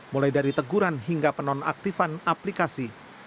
mulai dari teguran hingga penonaktifan aplikasi